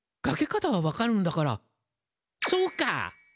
かけ方は分かるんだからそうか！